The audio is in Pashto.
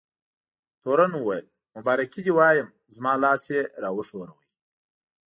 تورن وویل: مبارکي دې وایم، زما لاس یې را وښوراوه.